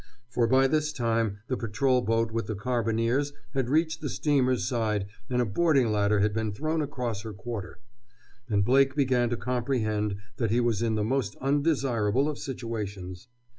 For by this time the patrol boat with the carbineers had reached the steamer's side and a boarding ladder had been thrown across her quarter. And Blake began to comprehend that he was in the most undesirable of situations.